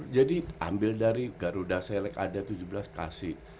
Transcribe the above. jadi ambil dari garuda select ada tujuh belas kasih